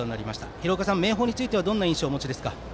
廣岡さん、明豊についてはどんな印象をお持ちですか？